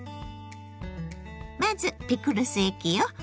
まずピクルス液よ。